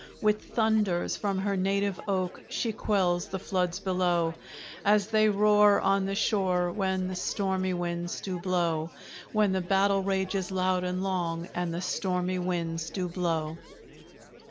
With thunders from her native oak She quells the floods below, As they roar on the shore, When the stormy winds do blow; When the battle rages loud and long, And the stormy winds do blow.